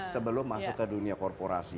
sebelum masuk ke dunia korporasi